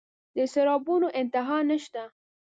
د سرابونو انتها نشته